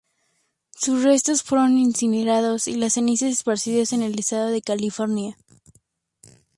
Sus restos fueron incinerados, y las cenizas esparcidas en el estado de California.